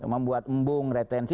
membuat embung retensi